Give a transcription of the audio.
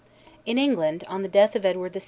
In England, on the death of Edward VI.